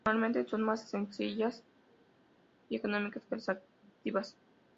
Normalmente son más sencillas y económicas que las activas.